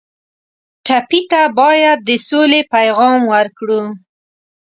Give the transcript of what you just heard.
ټپي ته باید د سولې پیغام ورکړو.